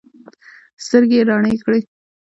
سترګې یې رڼې کړې.